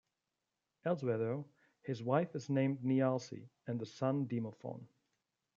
Elsewhere though, his wife is named Nealce, and the son Demophon.